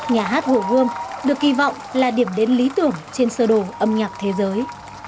nhà hát hồ gươm được kỳ vọng là điểm đến lý tưởng trên sơ đồ âm nhạc thế giới